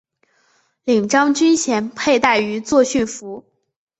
领章军衔佩戴于作训服。